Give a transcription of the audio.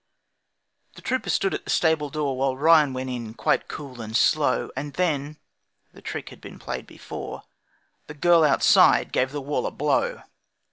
The trooper stood at the stable door While Ryan went in quite cool and slow, And then (the trick had been played before) The girl outside gave the wall a blow.